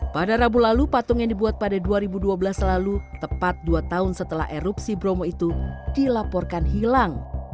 pada rabu lalu patung yang dibuat pada dua ribu dua belas lalu tepat dua tahun setelah erupsi bromo itu dilaporkan hilang